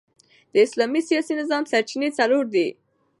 د اسلام د سیاسي نظام سرچینې څلور دي.